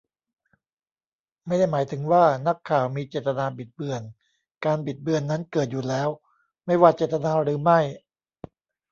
ไม่ได้หมายถึงว่า นักข่าวมีเจตนาบิดเบือน การบิดเบือนนั้นเกิดอยู่แล้ว ไม่ว่าเจตนาหรือไม่